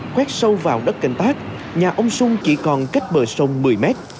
khoét sâu vào đất cảnh tác nhà ông xuân chỉ còn cách bờ sông một mươi mét